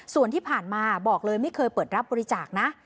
ส่วนที่ผ่านมาบอกเลยไม่เคยเปิดรับบริจาคนะ